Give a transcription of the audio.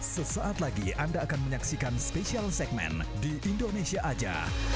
sesaat lagi anda akan menyaksikan spesial segmen di indonesia aja